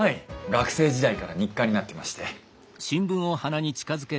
学生時代から日課になってまして。